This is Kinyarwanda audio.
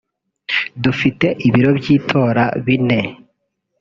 Dufite ibiro by’itora bine